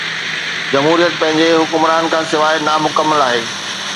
جمهوريت پنهنجي حڪمران کان سواءِ نامڪمل آهي